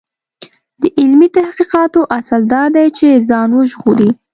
د علمي تحقیقاتو اصل دا دی چې ځان وژغوري.